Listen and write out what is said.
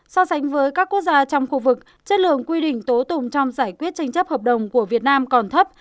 so sánh với các quốc gia trong khu vực chất lượng quy định tố tùng trong giải quyết tranh chấp hợp đồng của việt nam còn thấp